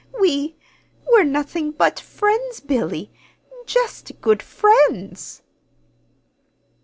We we're nothing but friends, Billy, just good friends!"